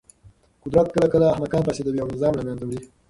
قدرت کله کله احمقان فاسدوي او نظام له منځه وړي.